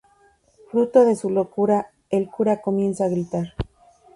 Fruto de su locura el cura comienza a gritar.